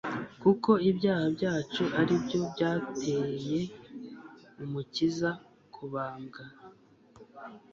kuko ibyaha byacu aribyo byatcye Umukiza kubambwa.